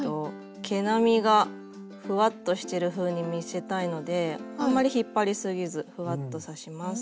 毛並みがふわっとしてるふうに見せたいのであんまり引っ張りすぎずふわっと刺します。